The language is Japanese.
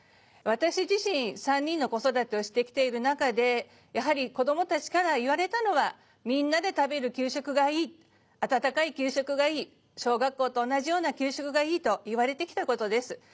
私自身３人の子育てをしてきている中でやはり子どもたちから言われたのはみんなで食べる給食がいい温かい給食がいい小学校と同じような給食がいいと言われてきた事です。